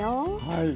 はい。